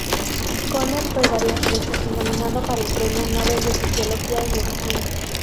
Koller fue varias veces nominado para el Premio Nobel de Fisiología y Medicina.